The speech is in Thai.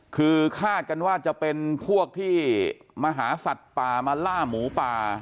คือคาดกันว่าจะเป็นพวกที่มาหาสัตว์ป่ามาล่าหมูป่า